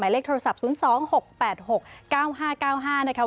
หมายเลขโทรศัพท์๐๒๖๘๖๙๕๙๕นะครับ